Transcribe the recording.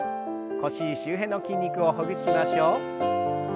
腰周辺の筋肉をほぐしましょう。